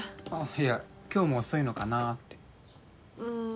いや今日も遅いのかなーってうん